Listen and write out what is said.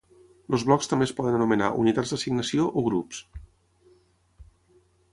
Els blocs també es poden anomenar unitats d'assignació o grups.